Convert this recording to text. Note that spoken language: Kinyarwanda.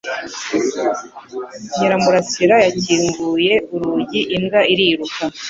Nyiramurasira yakinguye urugi imbwa iriruka